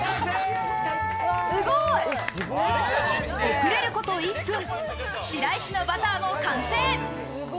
遅れること１分、白石のバターも完成。